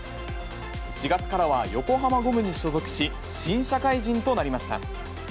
４月からは横浜ゴムに所属し、新社会人となりました。